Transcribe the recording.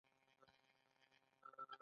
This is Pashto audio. هغوی د ژمنې په بڼه عطر سره ښکاره هم کړه.